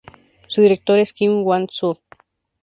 Su director es Kim Kwang Soo.